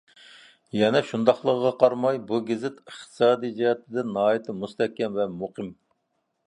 يەنە شۇنداقلىقىغا قارىماي، بۇ گېزىت ئىقتىسادىي جەھەتتىن ناھايىتى مۇستەھكەم ۋە مۇقىم.